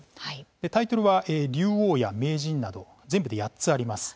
タイトルは、竜王や名人など全部で８つあります。